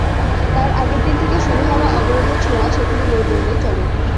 তার আগের দিন থেকে শুরু হওয়া অবরোধের ছোঁয়া সেখানে নেই বললেই চলে।